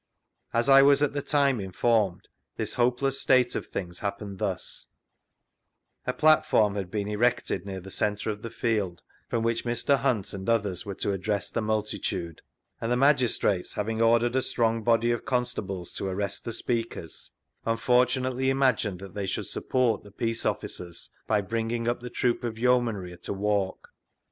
As I was at the time informed, this hopeless state of things happened thus : A platform had been erected near the centre of the held, from which Mr. Hunt and others were to address the multitude, and the magistrates, having ordered a strong body of con stables to arrest the speakers, unfortimat^ly imagined that they should support the peace ofiicers by bringing up the troop of Yeomanry at a walk.